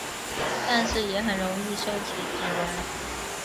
但是也很容易收集指纹。